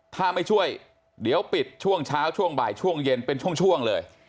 ถ้าไม่ช่วยเดี๋ยวปิดช่วงเช้าช่วงบ่ายช่วงเย็นเป็นช่วงเลย